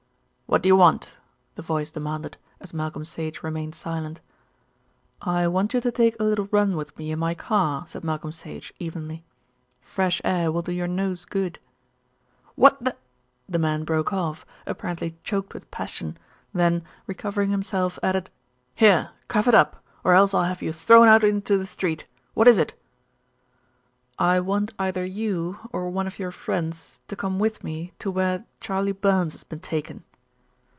"What do you want?" the voice demanded, as Malcolm Sage remained silent. "I want you to take a little run with me in my car," said Malcolm Sage evenly. "Fresh air will do your nose good." "What the " the man broke off, apparently choked with passion, then, recovering himself, added, "Here, cough it up, or else I'll have you thrown out into the street! What is it?" "I want either you, or one of your friends, to come with me to where Charley Burns has been taken."